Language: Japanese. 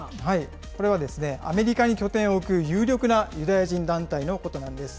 これは、アメリカに拠点を置く有力なユダヤ人団体のことなんです。